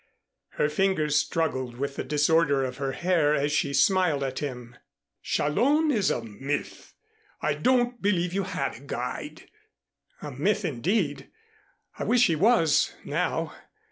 Her fingers struggled with the disorder of her hair as she smiled at him. "Challón is a myth. I don't believe you had a guide." "A myth, indeed! I wish he was now.